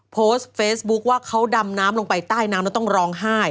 โพสต์เฟซบุ๊คว่าเขาดำน้ำลงไปใต้น้ำแล้วต้องร้องไห้